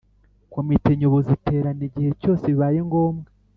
Komite Nyobozi iterana igihe cyose bibaye ngombwa